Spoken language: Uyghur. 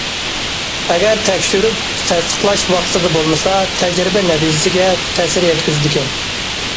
ئەگەر تەكشۈرۈپ تەستىقلاش ۋاقتىدا بولمىسا تەجرىبە نەتىجىسىگە تەسىر يەتكۈزىدىكەن.